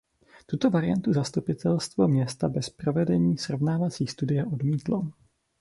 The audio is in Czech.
Tuto variantu zastupitelstvo města bez provedení srovnávací studie odmítlo.